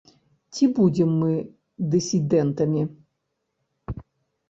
Ці будзем мы дысідэнтамі?